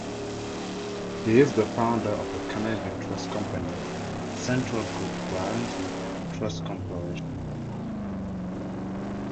He is the founder of the Canadian trust company, Central Guaranty Trust Corporation.